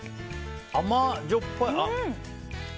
甘じょっぱい。